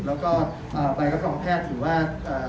แล้วก็ใบรับรองแพทย์ถือว่า